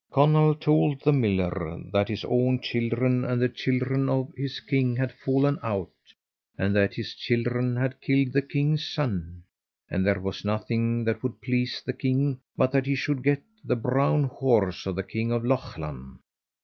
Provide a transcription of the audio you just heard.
Conall told the miller that his own children and the children of his king had fallen out, and that his children had killed the king's son, and there was nothing that would please the king but that he should get the brown horse of the king of Lochlann.